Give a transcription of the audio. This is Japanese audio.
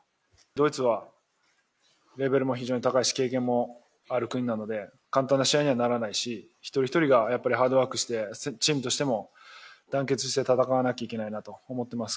ドイツはレベルも非常に高いし経験もある国なので簡単な試合にはならないし一人一人が、やっぱりハードワークしてチームとしても団結して戦わなきゃいけないなと思っています。